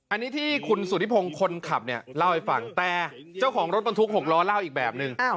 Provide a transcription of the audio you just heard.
อันนี้ที่คุณสุธิพงศ์คนขับเนี่ยเล่าให้ฟังแต่เจ้าของรถบรรทุก๖ล้อเล่าอีกแบบนึง